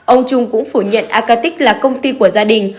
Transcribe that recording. ông trung cũng phủ nhận acatic là công ty của gia đình